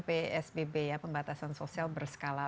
psbb ya pembatasan sosial berskala